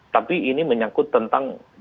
tapi ini menyangkut tentang